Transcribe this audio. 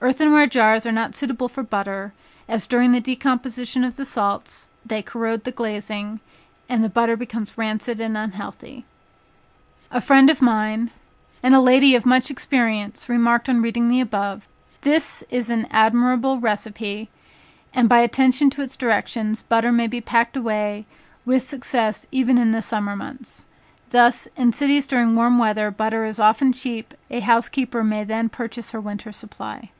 Earthen ware jars are not suitable for butter, as during the decomposition of the salts, they corrode the glazing; and the butter becomes rancid and unhealthy. A friend of mine, and a lady of much experience, remarked on reading the above "This is an admirable receipt, and by attention to its directions, butter may be packed away with success even in the summer months. Thus in cities during warm weather butter is often cheap, a house keeper may then purchase her winter supply.